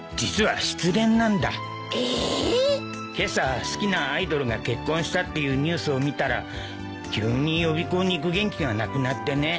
今朝好きなアイドルが結婚したっていうニュースを見たら急に予備校に行く元気がなくなってね。